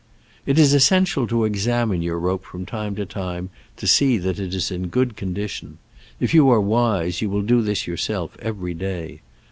It is essential to e^^amine your rope from time to time to see that it is in good condition. If you are wise you will do this yourself every day.